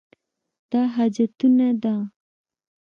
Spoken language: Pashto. دا حاجتونه ده.